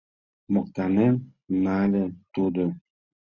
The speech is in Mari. — Моктанен нале тудо.